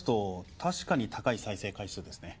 確かに高い再生回数ですね。